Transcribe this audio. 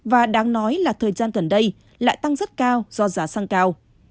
và đáng nói là thời gian gần đây lại tăng rất cao do giá xăng cao